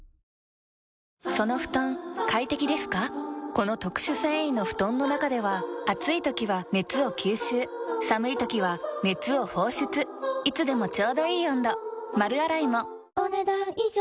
この特殊繊維の布団の中では暑い時は熱を吸収寒い時は熱を放出いつでもちょうどいい温度丸洗いもお、ねだん以上。